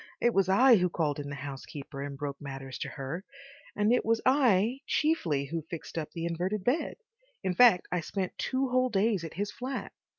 It was I who called in the housekeeper and broke matters to her, and it was I chiefly who fixed up the inverted bed. In fact, I spent two whole days at his flat.